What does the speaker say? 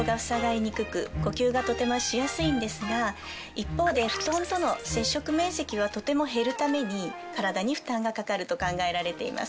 一方で布団との接触面積はとても減るために体に負担がかかると考えられています。